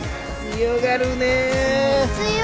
強がるね。